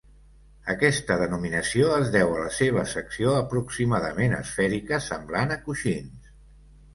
Aquesta denominació es deu a la seva secció aproximadament esfèrica, semblant a coixins.